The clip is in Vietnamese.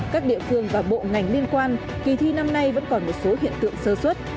các địa phương và bộ ngành liên quan kỳ thi năm nay vẫn còn một số hiện tượng sơ xuất